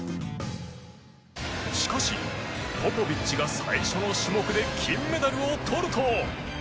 しかしポポビッチが最初の種目で金メダルを取ると。